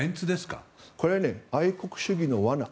これは愛国主義の罠。